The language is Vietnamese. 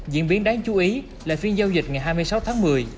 diễn biến đáng chú ý là phiên giao dịch ngày hai mươi sáu tháng một mươi